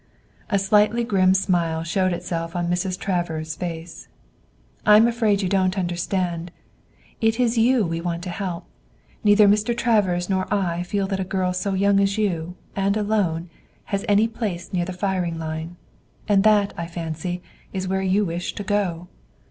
A slightly grim smile showed itself on Mrs. Travers' face. "I'm afraid you don't understand. It is you we want to help. Neither Mr. Travers nor I feel that a girl so young as you, and alone, has any place near the firing line. And that, I fancy, is where you wish to go.